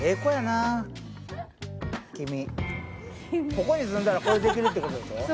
ここに住んだら、これできるってことでしょ。